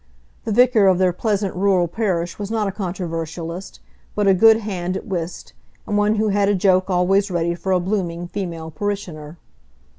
The vicar of their pleasant rural parish was not a controversialist, but a good hand at whist, and one who had a joke always ready for a blooming female parishioner.